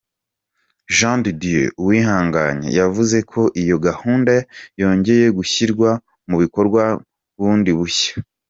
Jean de Dieu Uwihanganye, yavuze ko iyo gahunda yongeye gushyirwa mu bikorwa bundi bushya.